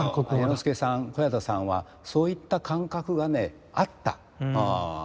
彌之助さん小彌太さんはそういった感覚がねあった。